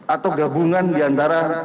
atau gabungan diantara